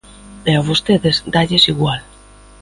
E a vostedes dálles igual.